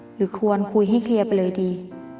หรือควรคุยให้เคลียร์ไปเลยดี